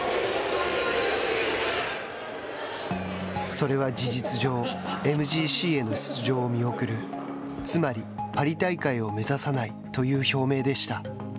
それは、事実上、ＭＧＣへの出場を見送る、つまりパリ大会を目指さないという表明でした。